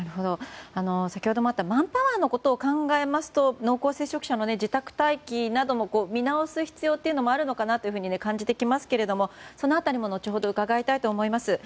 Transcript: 先ほどあったマンパワーのことを考えますと濃厚接触者の自宅待機なども見直す必要もあるのかなと感じてきますけどもその辺りも後ほど伺いたいと思います。